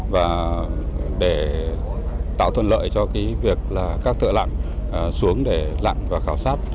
và để tạo thuận lợi cho việc các thợ lặn xuống để lặn và khảo sát